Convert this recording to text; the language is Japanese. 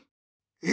え？